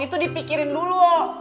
itu dipikirin dulu